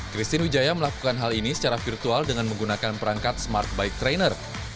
christine wijaya melakukan hal ini secara virtual dengan menggunakan perangkat smart bike trainer